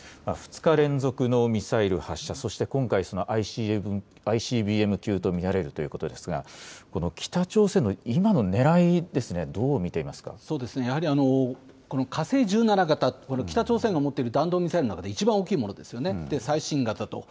２日連続のミサイル発射、そして今回、ＩＣＢＭ級と見られるということですが、この北朝鮮の今のねらいそうですね、やはりこの火星１７型、これ、北朝鮮が持っている弾道ミサイルの中で一番大きいものですよね、最新型と。